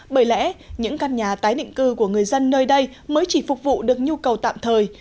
bởi lẽ những căn nhà tái định cư của người dân nơi đây mới chỉ phục vụ được nhu cầu tạm thời